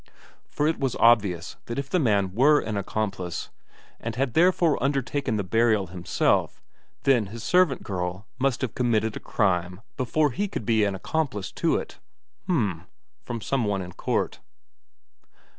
For it was obvious that if the man were an accomplice, and had therefore undertaken the burial himself, then his servant girl must have committed a crime before he could be an accomplice in it. "H'm," from some one in court.